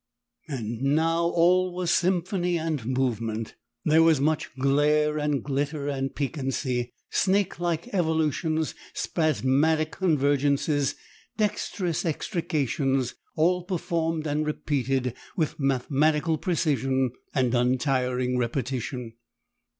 And now all was symphony and movement. There was much glare and glitter and piquancy; snake like evolutions, spasmodic convergences, dexterous extrications, all performed and repeated with mathematical precision and untiring repetition.